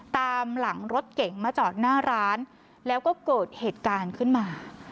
ตามหลังรถเก๋งมาจอดหน้าร้านแล้วก็เกิดเหตุการณ์ขึ้นมา